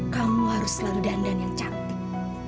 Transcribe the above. kamu harus selalu dandan yang cantik